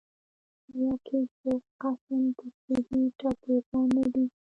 آیا کیش او قشم تفریحي ټاپوګان نه دي؟